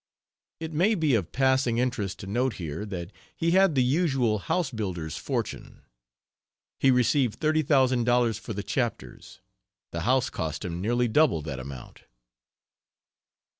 It may be of passing interest to note here that he had the usual house builder's fortune. He received thirty thousand dollars for the chapters; the house cost him nearly double that amount.